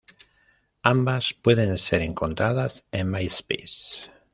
Ambas pueden ser encontradas en Myspace.